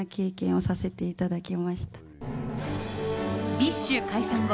ＢｉＳＨ解散後